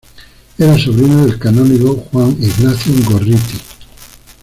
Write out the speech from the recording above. Era sobrino del canónigo Juan Ignacio Gorriti.